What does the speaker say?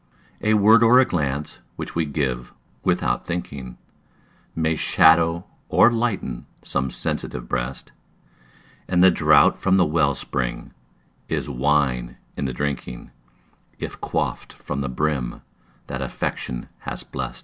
A word or a glance which we give "without thinking", May shadow or lighten some sensitive breast; And the draught from the well spring is wine in the drinking, If quaffed from the brim that Affection has blest.